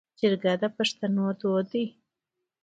جرګه د پښتنو دود دی